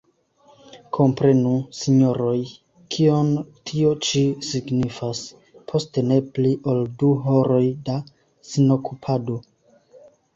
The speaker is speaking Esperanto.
Komprenu, sinjoroj, kion tio ĉi signifas: « post ne pli ol du horoj da sinokupado ».